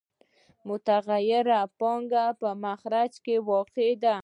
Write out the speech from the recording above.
متغیره پانګه په مخرج کې واقع ده